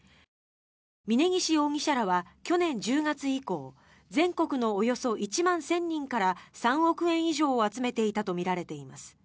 峯岸容疑者らは去年１０月以降全国のおよそ１万１０００人から３億円以上を集めていたとみられています。